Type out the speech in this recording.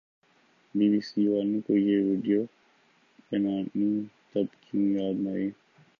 be B C والوں کو یہ وڈیو بنانی تب کیوں یاد نہ آئی